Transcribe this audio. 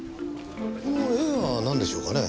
この絵はなんでしょうかね？